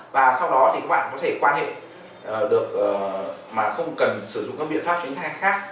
và sau đó thì các bạn có thể quan hệ mà không cần sử dụng các biện pháp tránh thai khác